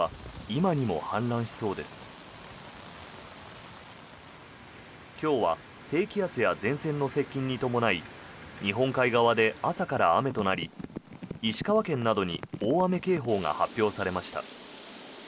今日は低気圧や前線の接近に伴い日本海側で朝から雨となり石川県などに大雨警報が発表されました。